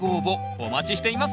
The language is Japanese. お待ちしています。